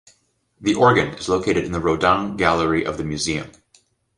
The organ is located in the Rodin gallery of the museum.